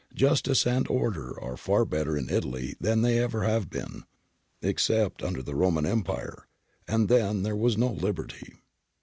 Justice and order are far better in Italy than they have ever been, — except under the Roman Empire, and then there was no liberty.